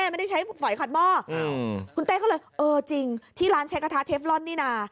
ไม่ได้ใช้ฝอยขัดหม้อคุณเต้ก็เลยเออจริงที่ร้านใช้กระทะเทฟลอนนี่นะ